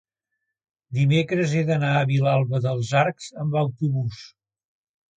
dimecres he d'anar a Vilalba dels Arcs amb autobús.